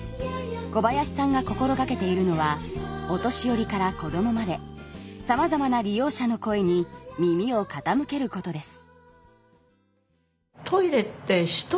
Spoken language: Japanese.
小林さんが心がけているのはお年寄りからこどもまでさまざまな利用者の声に耳をかたむけることです